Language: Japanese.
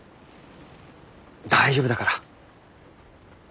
大丈夫だから。